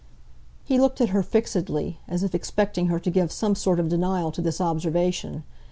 He looked at her fixedly, as if expecting her to give some sort of denial to this observation.